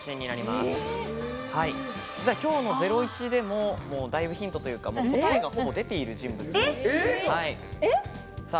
今日の『ゼロイチ』でも、だいぶヒントというか、答えがほぼ出ている人物です。